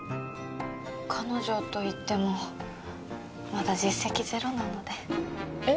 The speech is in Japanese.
彼女と言ってもまだ実績ゼロなのでえっ？